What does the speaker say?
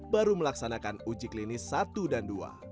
baru melaksanakan uji klinis satu dan dua